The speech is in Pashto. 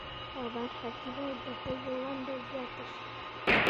په برخه کښی باید د خځو ونډه ځیاته شی